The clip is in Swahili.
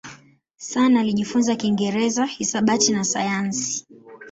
Sun alijifunza Kiingereza, hisabati na sayansi.